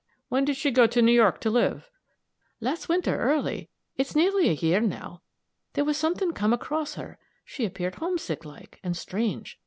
"When did she go to New York to live?" "Last winter, early. It's nearly a year now. There was something come across her she appeared homesick like, and strange.